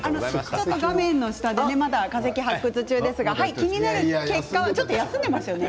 画面の下でまだ化石発掘中ですがちょっと休んでいますよね